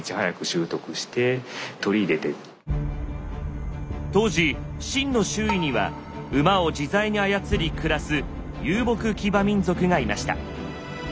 恐らく当時秦の周囲には馬を自在に操り暮らす遊牧騎馬民族がいました。